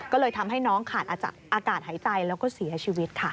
ก็เลยทำให้น้องขาดอากาศหายใจแล้วก็เสียชีวิตค่ะ